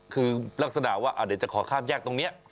คือลักษณะว่าเดี๋ยวจะขอข้ามแยกตรงนี้